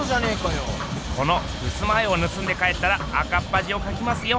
このふすま絵をぬすんで帰ったら赤っぱじをかきますよ。